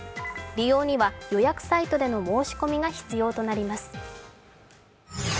利用には予約サイトでの申し込みが必要となります。